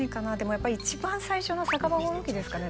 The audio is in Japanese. やっぱり一番最初の酒場放浪記ですかね